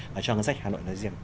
và cho ngân sách hà nội nói riêng